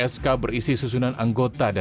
sk berisi susunan anggota